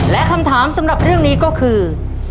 และคำถามสำหรับเรื่องนี้ก็คือ